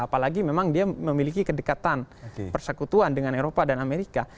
apalagi memang dia memiliki kedekatan persekutuan dengan eropa dan amerika